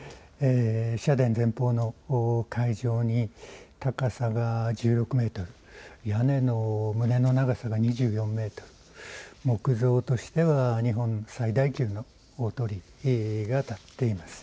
社殿前方の海上に高さが１６メートル、屋根の棟の長さが２５メートル、木造としては日本最大級の大鳥居が立っています。